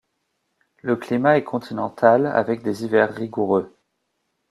Le climat est continental, avec des hivers rigoureux.